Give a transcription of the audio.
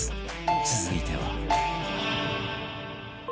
続いては